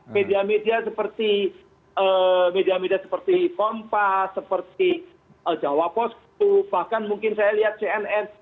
media media seperti pompa seperti jawa post bahkan mungkin saya lihat cnn